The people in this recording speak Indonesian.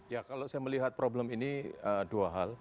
ya kalau saya melihat problem ini dua hal